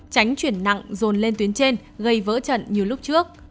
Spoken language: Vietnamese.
tránh chuyển nặng rồn lên tuyến trên gây vỡ trận như lúc trước